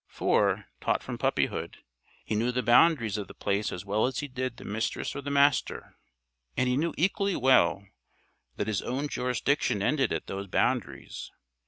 For, taught from puppyhood, he knew the boundaries of The Place as well as did the Mistress or the Master, and he knew equally well that his own jurisdiction ended at those boundaries.